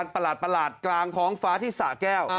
ประหลาดกลางท้องฟ้าที่สะแก้ว